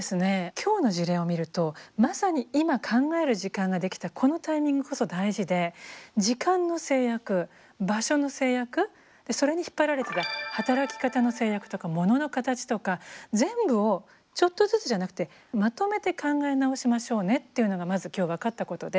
今日の事例を見るとまさに今考える時間ができたこのタイミングこそ大事で時間の制約場所の制約それに引っ張られてた働き方の制約とかモノの形とか全部をちょっとずつじゃなくてまとめて考え直しましょうねっていうのがまず今日分かったことで。